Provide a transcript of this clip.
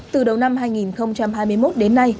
từ đầu năm hai nghìn hai mươi một đến nay